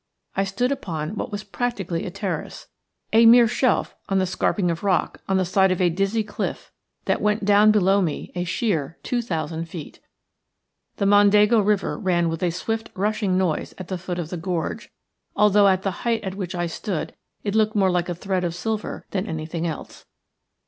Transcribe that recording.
I stood upon what was practically a terrace – a mere shelf on the scarping of rock on the side of a dizzy cliff that went down below me a sheer two thousand feet. The Mondego River ran with a swift rushing noise at the foot of the gorge, although at the height at which I stood it looked more like a thread of silver than any thing else.